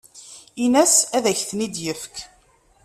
Ini-as ad ak-ten-id-yefk.